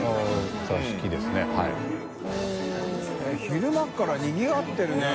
昼間からにぎわってるね。